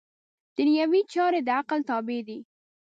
دنیوي چارې د عقل تابع دي.